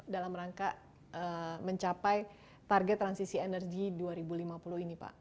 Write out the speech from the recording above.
dalam rangka mencapai target transisi energi dua ribu lima puluh ini pak